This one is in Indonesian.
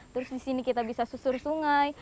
terus disini kita bisa susur sungai